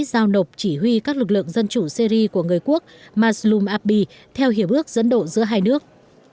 giao nộp chỉ huy các lực lượng dân chủ syri của người quốc maslum abi theo hiệp ước dẫn độ giữa hai nước